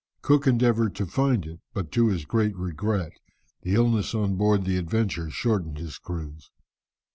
Cook endeavoured to find it, but, to his great regret, the illness on board the Adventure shortened his cruise.